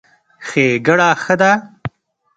ښېګړه ښه ده.